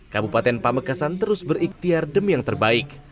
kabupaten pamekasan terus berikhtiar demi yang terbaik